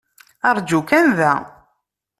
Aṛǧu kan da.